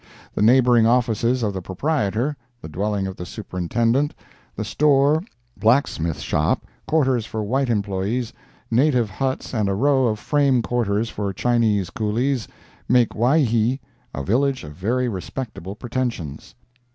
The neighboring offices of the proprietor, the dwelling of the Superintendent, the store, blacksmith shop, quarters for white employees, native huts and a row of frame quarters for Chinese coolies, make Waihee a village of very respectable pretensions.